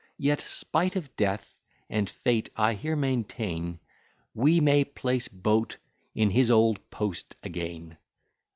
Yet, spite of death and fate, I here maintain We may place Boat in his old post again.